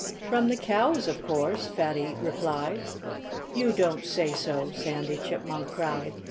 "From the cows, of course!" Fatty replied. "You don't say so!" Sandy Chipmunk cried.